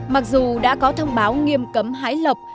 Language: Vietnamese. mặc dù đã có thông báo nghiêm cấm hái lộc